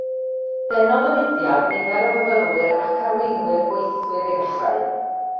Denodd y mudiad nifer o fyfyrwyr ac arweinwyr gweithwyr i ddechrau.